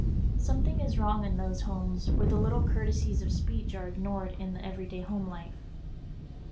Something is wrong in those homes where the little courtesies of speech are ignored in the everyday home life.